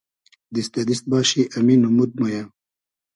دیست دۂ دیست باشی امی نومود مۉ یۂ